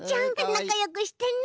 なかよくしてね。